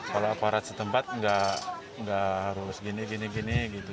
kalau aparat setempat nggak harus gini gini gitu